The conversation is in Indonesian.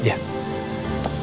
aku mau ke rumah